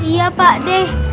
iya pak d